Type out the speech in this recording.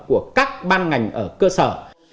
của các ban ngành ở cơ sở